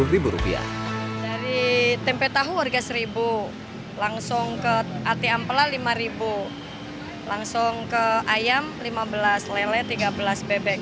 dari tempe tahu harga rp satu langsung ke ati ampela rp lima langsung ke ayam rp lima belas lele rp tiga belas